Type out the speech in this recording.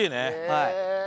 はい。